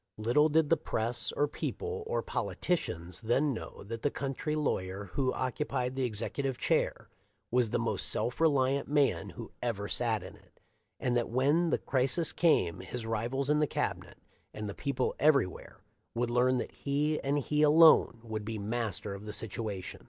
Little did the press, or people, or politicians then know that the country lawyer who occupied the executive chair was the most self reliant man who ever sat in it, and that when the crisis came his rivals in the Cabinet, and the people everywhere, would learn that he and he alone would be master of the situation.